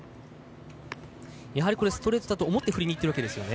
ストレートだと思って振りにいってるんですよね。